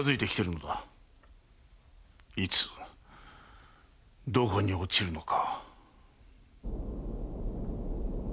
いつどこに落ちるのか？